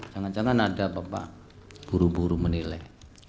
jangan jangan ada bapak buru buru menilai